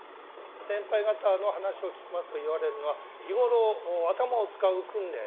先輩方の話を聞きますと言われるのは日頃頭を使う訓練